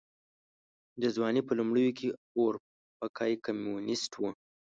د ځوانۍ په لومړيو کې اورپکی کمونيسټ و.